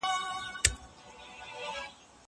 زه پرون د ښوونځی لپاره امادګي نيولی.